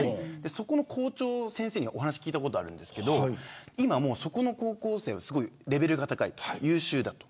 そこの校長先生にお話を聞いたことがあるんですがそこの高校生はすごいレベルが高くて優秀だと。